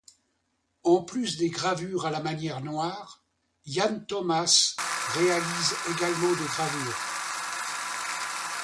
En plus des gravures à la manière noire, Jan Thomas réalise également des gravures.